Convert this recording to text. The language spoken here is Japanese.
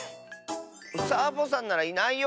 サボさんならいないよ。